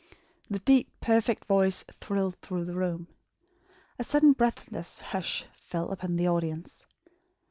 The deep, perfect voice thrilled through the room. A sudden breathless hush fell upon the audience.